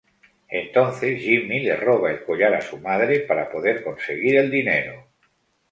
Entonces Jimmy le roba el collar a su madre para poder conseguir el dinero.